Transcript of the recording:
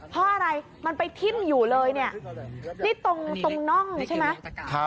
เพราะอะไรมันไปทิ้มอยู่เลยเนี่ยนี่ตรงน่องใช่ไหม